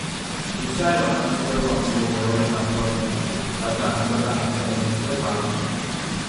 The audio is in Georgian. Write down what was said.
ისრაელმა მონაწილეობა მიიღო მეორე ნახევარფინალში, რადგანაც ქვეყანა ხსენების დღეს აღნიშნავდა.